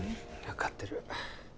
分かってる